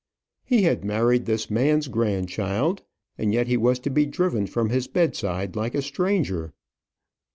He had married this man's grandchild, and yet he was to be driven from his bedside like a stranger.